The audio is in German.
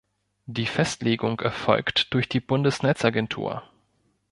Die Festlegung erfolgt durch die Bundesnetzagentur.